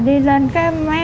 đi lên mấy ông mẹ ở đó nói gì